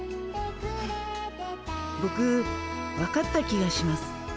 ボク分かった気がします。